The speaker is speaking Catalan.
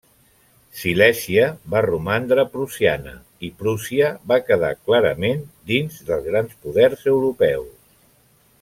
Silèsia va romandre prussiana, i Prússia va quedar clarament dins dels grans poders europeus.